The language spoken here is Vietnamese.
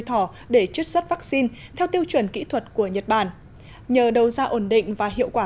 thỏ để chất xuất vaccine theo tiêu chuẩn kỹ thuật của nhật bản nhờ đầu ra ổn định và hiệu quả